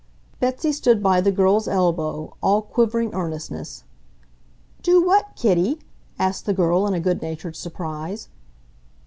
Betsy stood by the girl's elbow, all quivering earnestness. "Do what, kiddie?" asked the girl in a good natured surprise.